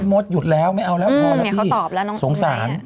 พี่หมดยุดแล้วน้องด้วยเขาตอบแล้ว